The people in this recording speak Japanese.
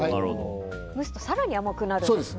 蒸すと更に甘くなるんですね。